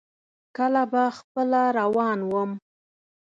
کله به خپله روان ووم.